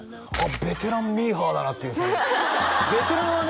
ベテランミーハーだなっていうベテランはね